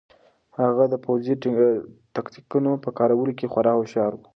هغه د پوځي تکتیکونو په کارولو کې خورا هوښیار و.